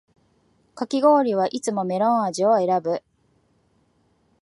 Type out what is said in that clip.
かき氷はいつもメロン味を選ぶ